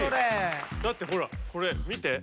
だってほらこれ見て。